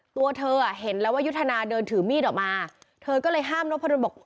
ตัวเธอเห็นแล้วว่ายุทธนาเดินถือมีดออกมาเธอก็เลยห้ามนพดลบอก